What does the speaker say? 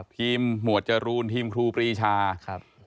ทีมหัวจรูนทีมครูปรีชา